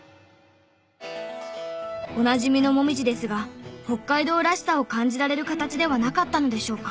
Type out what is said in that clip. おなじみのモミジですが北海道らしさを感じられる形ではなかったのでしょうか。